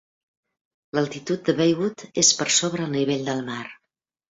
L'altitud de Baywood és per sobre el nivell del mar.